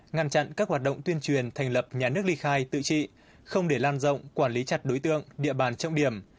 ngăn chặn các hoạt động tuyên truyền thành lập nhà nước ly khai tự trị không để lan rộng quản lý chặt đối tượng địa bàn trọng điểm